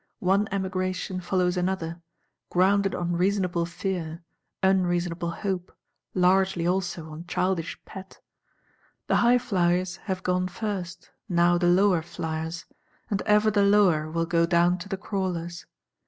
One Emigration follows another; grounded on reasonable fear, unreasonable hope, largely also on childish pet. The highflyers have gone first, now the lower flyers; and ever the lower will go down to the crawlers.